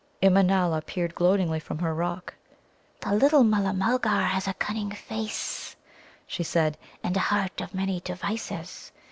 Immanâla peered gloatingly from her rock. "The little Mulla mulgar has a cunning face," she said, "and a heart of many devices.